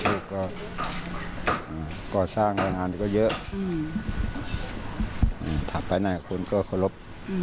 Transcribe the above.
ลูกก็สร้างรายงานก็เยอะถัดไปหน้าที่คนก็โขลบ